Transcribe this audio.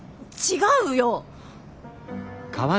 違うよ！